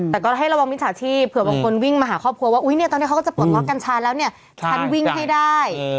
แต่ก็ให้ระวังวินชาติที่เผื่อบางคนวิ่งมาหาครอบครัวว่าเกิดไปโปรดล๊อคกานชาวแล้วฉันวิ่งให้ได้